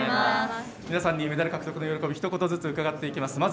皆さんにメダル獲得の喜びひと言ずつ伺っていきます。